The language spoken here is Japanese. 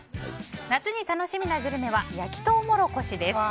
夏に楽しみなグルメは焼きトウモロコシです。